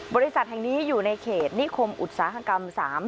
บริษัทแห่งนี้อยู่ในเขตนิคมอุตสาหกรรม๓๐